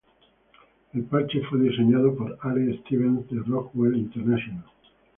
El parche fue diseñado por Allen Stevens de Rockwell International.